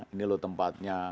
ini loh tempatnya